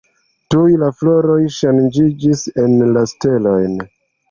Tuj la floroj ŝanĝiĝis en stelojn.